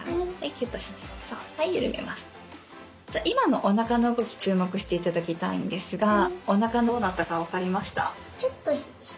今のおなかの動き注目して頂きたいんですがおなかどうなったか分かりました？